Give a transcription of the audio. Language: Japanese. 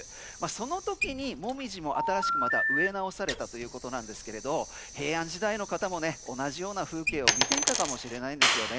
その時に、モミジも新しく植え直されたということですが平安時代の方も同じような風景を見ていたかもしれないんですよね。